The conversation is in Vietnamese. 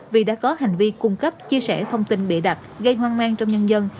vì đã có hành vi cung cấp chia sẻ thông tin bịa đặt gây hoang mang trong nhân dân